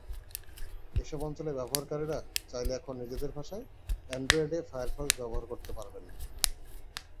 এসব অঞ্চলের ব্যবহারকারীরা চাইলে এখন নিজেদের ভাষায় অ্যান্ড্রয়েডে ফায়ারফক্স ব্যবহার করতে পারবেন।